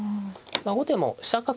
後手も飛車角